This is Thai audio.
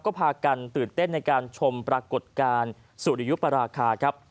ก็พากันตื่นเต้นในการชมปรากฏการณ์สุริยุปราคาครับ